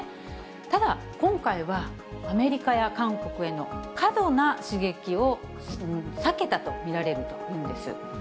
ただ、今回はアメリカや韓国への過度な刺激を避けたと見られるというんです。